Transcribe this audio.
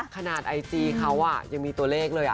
ไอจีเขายังมีตัวเลขเลย